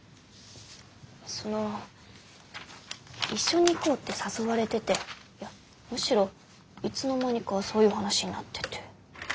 その一緒に行こうって誘われてていやむしろいつの間にかそういう話になってて。